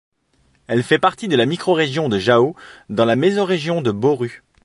Elle fait partie de la Microrégion de Jaú dans la Mésorégion de Bauru.